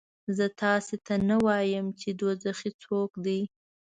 زه تاسې ته ونه وایم چې دوزخي څوک دي؟